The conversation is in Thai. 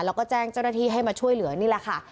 แล้วก็แจ้งเจ้าหน้าที่ให้มาช่วยเหลือนี่แหละค่ะ